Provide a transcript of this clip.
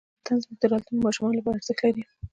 وطن زموږ د راتلونکې ماشومانو لپاره ارزښت لري.